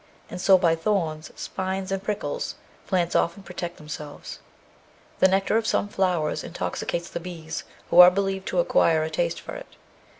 And so by thorns, spines, and prickles, plants often protect themselves. The nectar of some flowers intoxicates the bees, who are believed to acquire a taste for it.